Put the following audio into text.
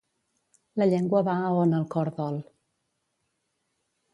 La llengua va a on el cor dol.